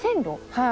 はい。